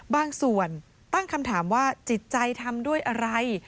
บางส่วนตั้งคำถามว่าจิตใจทำด้วยอะไร